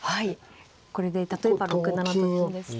これで例えば６七と金ですと。